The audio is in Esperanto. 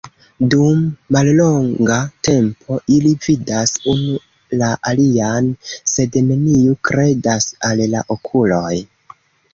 Dum mallonga tempo ili vidas unu la alian, sed neniu kredas al la okuloj.